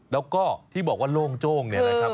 แล้วก็ที่บอกว่าโล่งโจ้งเนี่ยนะครับ